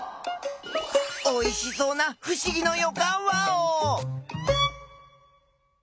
おいしそうなふしぎのよかんワオ！